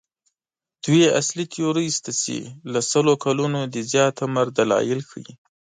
دوې اصلي تیورۍ شته چې له سلو کلونو د زیات عمر دلایل ښيي.